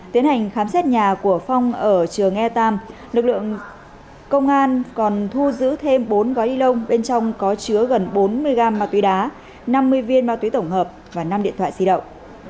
tiến hành khám xét nhà của phong ở trường e tam lực lượng công an còn thu giữ thêm bốn gói ni lông bên trong có chứa gần bốn mươi gram ma túy đá năm mươi viên ma túy tổng hợp và năm điện thoại di động